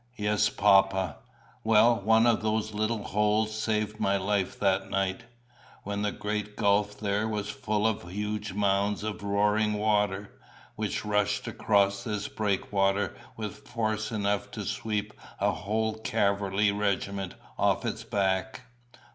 "Yes, papa." "Well, one of those little holes saved my life that night, when the great gulf there was full of huge mounds of roaring water, which rushed across this breakwater with force enough to sweep a whole cavalry regiment off its back."